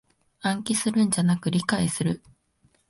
暗記するんじゃなく理解する